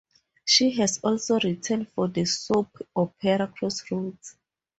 She has also written for the soap opera "Crossroads".